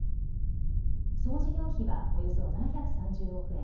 総事業費はおよそ７３０億円。